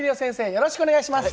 よろしくお願いします！